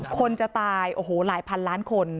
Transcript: คนจะตายโอ้โหหลายพันล้านคน